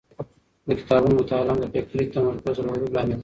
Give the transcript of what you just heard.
د کتابونو مطالعه مو د فکري تمرکز د لوړولو لامل دی.